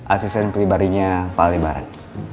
asisten pelibarinya pak alebaran